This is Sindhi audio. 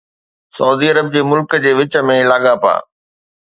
سعودي عرب جي ملڪ جي وچ ۾ لاڳاپا